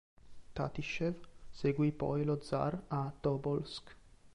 Tatiscev seguì poi lo zar a Tobol'sk.